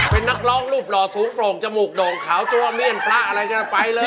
เป็นนักร้องรูปหล่อสูงโปร่งจมูกโด่งขาวจัวเม่นพระอะไรกันไปเลย